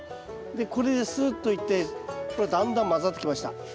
でこれですっといってほらだんだん混ざってきました。